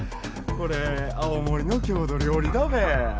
これ青森の郷土料理だべ。